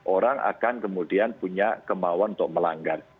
orang akan kemudian punya kemauan untuk melanggar